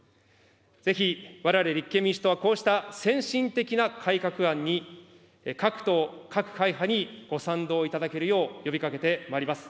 ぜひわれわれ立憲民主党は、こうした先進的な改革案に、各党各会派にご賛同いただけるよう呼びかけてまいります。